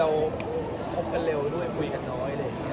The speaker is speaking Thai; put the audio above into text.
ว่าคนนี้คือแม่ของลูกค่ะ